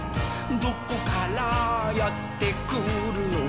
「どこからやってくるの？」